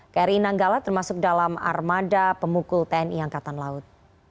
kri nanggala termasuk dalam armada pemukul tni angkatan laut